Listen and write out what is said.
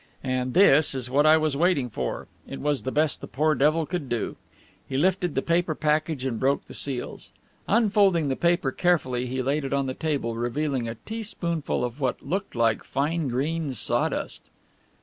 "And this is what I was waiting for it was the best the poor devil could do." He lifted the paper package and broke the seals. Unfolding the paper carefully he laid it on the table, revealing a teaspoonful of what looked like fine green sawdust.